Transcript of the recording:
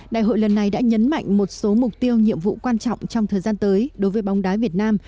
đại hội lần này đã nhấn mạnh một số mục tiêu nhiệm vụ quan trọng trong thời gian tới đối với bóng đá việt nam